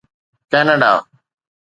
Canada